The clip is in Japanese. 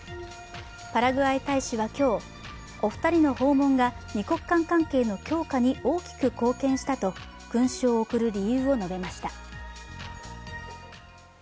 パラグアイ大使は今日、お二人の訪問が二国間関係の強化に大きく貢献したと勲章を贈る理由を述べました。